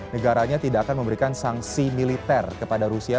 negaranya tidak akan memberikan sanksi militer kepada rusia